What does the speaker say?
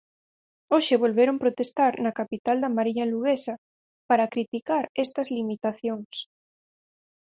Hoxe volveron protestar na capital da Mariña luguesa para criticar estas limitacións.